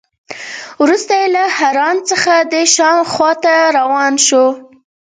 وروسته له حران څخه د شام خوا ته روان شو.